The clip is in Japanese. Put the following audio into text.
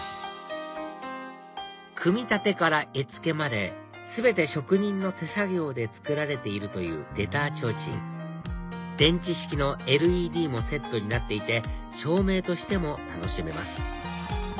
組み立てから絵つけまで全て職人の手作業で作られているというレター提灯電池式のＬＥＤもセットになっていて照明としても楽しめます